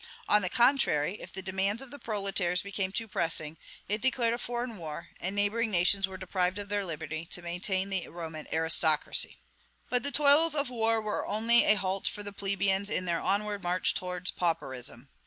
On the contrary, if the demands of the proletaires became too pressing, it declared a foreign war, and neighboring nations were deprived of their liberty, to maintain the Roman aristocracy. But the toils of war were only a halt for the plebeians in their onward march towards pauperism.